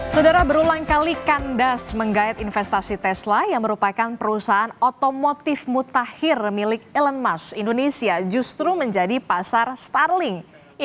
saudara berulang kali kandas menggayat investasi tesla yang merupakan perusahaan otomotif mutakhir milik elon musk indonesia justru menjadi pasar starling